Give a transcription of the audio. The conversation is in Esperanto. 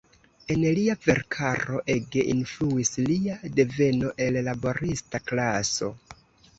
En lia verkaro ege influis lia deveno el laborista klaso.